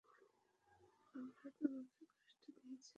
আমরা তোমাকে কষ্ট দিয়েছি।